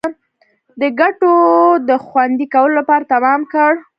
د ګټو د خوندي کولو لپاره تمام کړ.